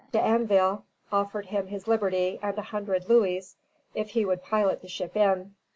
D'Anville offered him his liberty and a hundred louis if he would pilot the ship in.